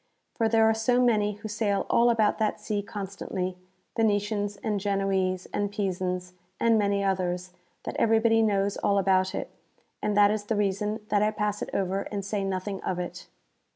For there are so many who sail all about that sea constantly, X'enetians, and (ienoese, and Pisans, and many others, that everybody knows all about it, and that is the reason that I pass it over and say nothing of it.